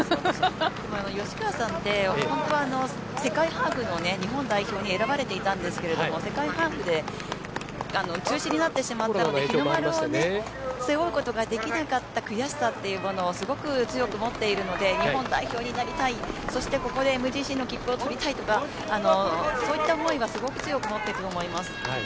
吉川さんって、本当は世界ハーフの日本代表に選ばれていたんですけれども世界ハーフで中止になってしまったので日の丸を背負うことができなかった悔しさというのをすごく強く持っているので日本代表になりたいそして、ここでＭＧＣの切符を取りたいとかそういった思いが強く持ってると思います。